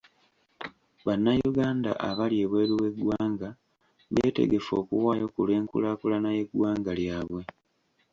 Bannayuganda abali ebweru w'eggwanga beetegefu okuwaayo ku lw'enkulaakulana y'eggwanga lyabwe.